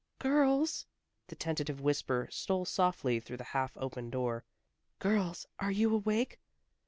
"Girls!" The tentative whisper stole softly through the half open door. "Girls, are you awake?"